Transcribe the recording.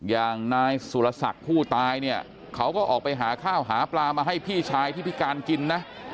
อย่างนายสุรศักดิ์ผู้ตายเนี่ยเขาก็ออกไปหาข้าวหาปลามาให้พี่ชายที่พิการกินนะ